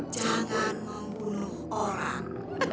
jangan membunuh orang